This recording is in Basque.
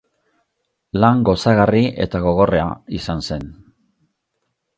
Lan gozagarri eta gogorra izan zen.